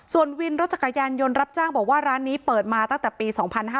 ส่วนวินรถจักรยานยนต์รับจ้างบอกว่าร้านนี้เปิดมาตั้งแต่ปี๒๕๕๙